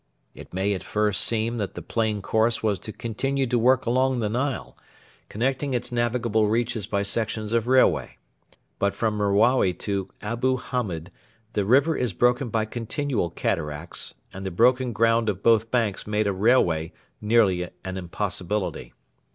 It may at first seem that the plain course was to continue to work along the Nile, connecting its navigable reaches by sections of railway. But from Merawi to Abu Hamed the river is broken by continual cataracts, and the broken ground of both banks made a railway nearly an impossibility.